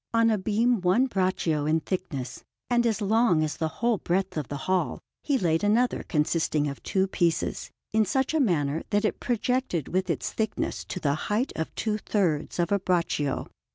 On a beam one braccio in thickness, and as long as the whole breadth of the hall, he laid another consisting of two pieces, in such a manner that it projected with its thickness to the height of two thirds of a braccio.